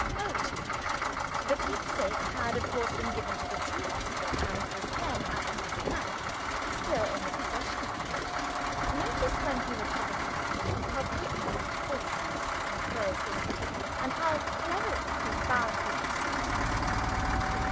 [Note. The keepsake had of course been given to the true Oscar, and was then, as it is now, still in his possession. Notice, when he recovers himself, how quickly the false Oscar infers this, and how cleverly he founds his excuse upon it.